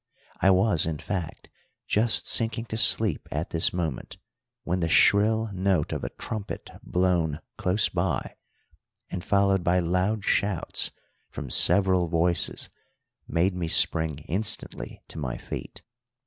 I was, in fact, just sinking to sleep at this moment when the shrill note of a trumpet blown close by and followed by loud shouts from several voices made me spring instantly to my feet.